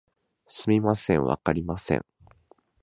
すみません、わかりません